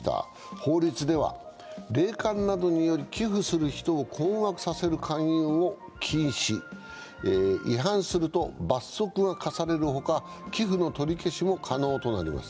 法律では、霊感などにより、寄付する人を困惑させる勧誘を禁止、違反すると罰則が科されるほか、寄付の取り消しも可能となります。